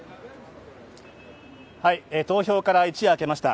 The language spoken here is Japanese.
投票から一夜明けました。